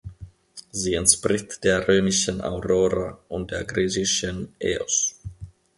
Sie entspricht der römischen Aurora und der griechischen Eos.